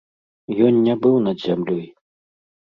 Ён не быў над зямлёй.